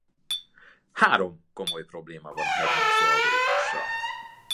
Három komoly probléma van a hegymászó algoritmussal.